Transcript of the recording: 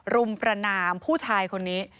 รุมประนามผู้ชายคนนี้